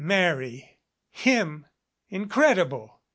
Marry? Him? Incredible!